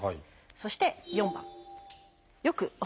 そして４番。